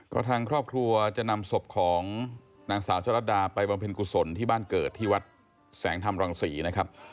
ก็ทางครอบครัวจะนำศพของนางสาวชะลัดดาไปบำเพ็ญกุศลที่บ้านเกิดที่วัดแสงธรรมรังศรีนะครับ